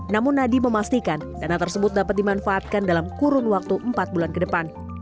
namun nadie memastikan dana tersebut dapat dimanfaatkan dalam kurun waktu empat bulan ke depan